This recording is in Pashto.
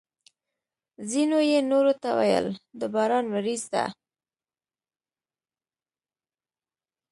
ځینو یې نورو ته ویل: د باران ورېځ ده!